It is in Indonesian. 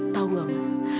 tau nggak mas